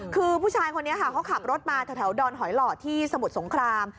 คือผู้ชายคนนี้ค่ะเขาขับรถมาแถวดอนหอยหล่อที่สมุทรสงคราม